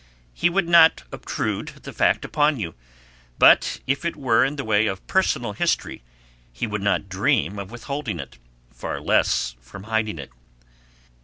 He would not obtrude the fact upon you, but if it were in the way of personal history he would not dream of withholding it, far less of hiding it.